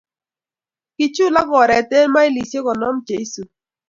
Kichulak oret eng mailishek konom cheisubi